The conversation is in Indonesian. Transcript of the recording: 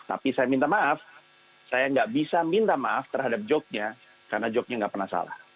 tapi saya minta maaf saya nggak bisa minta maaf terhadap joke nya karena joke nya nggak pernah salah